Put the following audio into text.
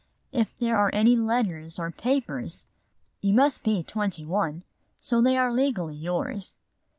If there are any letters or papers, you must be twenty one, so they are legally yours.